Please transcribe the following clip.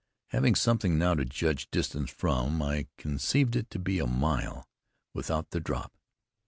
Having something now to judge distance from, I conceived it to be a mile, without the drop.